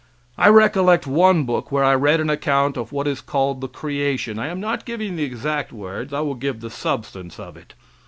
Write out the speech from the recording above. I recollect one book where I read an account of what is called the creation I am not giving the exact words, I will give the substance of it.